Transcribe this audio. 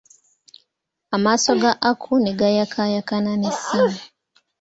Amaaso ga Aku negayakayakana ne ssanyu.